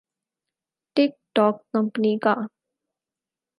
ٹک ٹوک کمپنی کا